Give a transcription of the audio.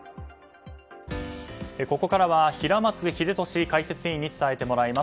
ここからは平松秀敏解説委員に伝えてもらいます。